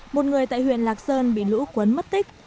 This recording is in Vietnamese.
một người tại huyện lạc sơn bị lũ cuốn mất tích